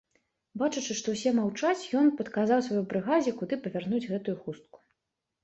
Бачачы, што ўсе маўчаць, ён падказаў сваёй брыгадзе, куды павярнуць гэтую хустку.